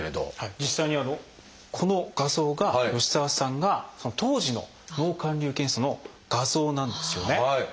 実際にこの画像が吉澤さんが当時の脳灌流検査の画像なんですよね。